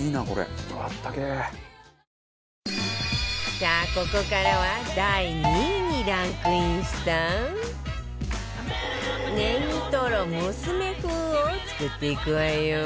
さあここからは第２位にランクインしたねぎとろむすめ風を作っていくわよ